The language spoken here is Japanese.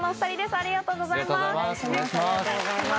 ありがとうございます。